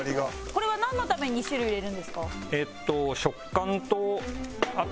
これはなんのために２種類入れるんですか？